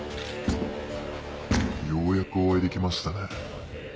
ようやくお会いできましたね。